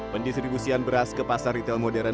pendistribusian beras ke pasar retail modern